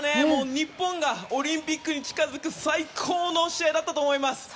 日本がオリンピックに近づく最高の試合だったと思います。